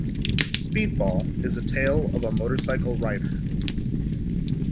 "Speed Ball" is a tale of a motorcycle rider.